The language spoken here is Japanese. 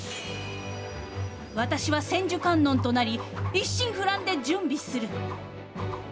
私は千手観音となり、一心不乱で準備する。